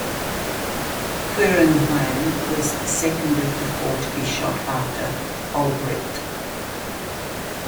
Quirnheim was the second of the four to be shot, after Olbricht.